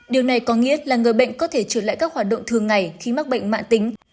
điều này có nghĩa là người bệnh có thể trượt lại các hoạt động thường ngày khi mắc bệnh mạng tính